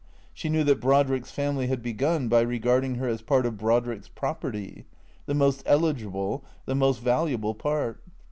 She knew that Brodrick's family had begun by regarding her as part of Brodrick's property, the most eligible, the most valuable part.